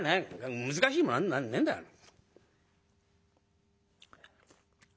難しいもなにもねえんだから」。